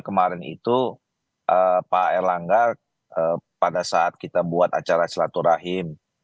kemarin itu pak erlangga pada saat kita buat acara silaturahim